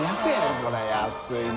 これ安いな。